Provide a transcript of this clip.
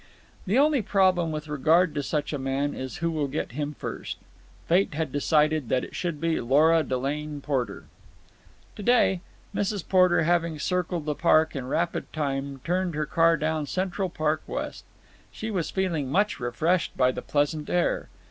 The only problem with regard to such a man is who will get him first. Fate had decided that it should be Lora Delane Porter. To day Mrs. Porter, having circled the park in rapid time, turned her car down Central Park West. She was feeling much refreshed by the pleasant air.